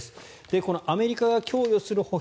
このアメリカが供与する歩兵